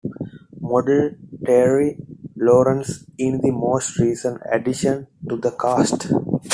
Model Terri Lawrenz is the most recent addition to the cast.